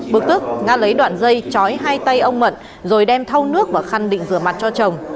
bực tức nga lấy đoạn dây chói hai tay ông mận rồi đem thau nước và khăn định rửa mặt cho chồng